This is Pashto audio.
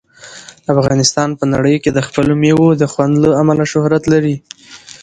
افغانستان په نړۍ کې د خپلو مېوو د خوند له امله شهرت لري.